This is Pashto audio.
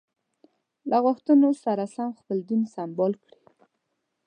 له غوښتنو سره سم خپل دین سمبال کړي.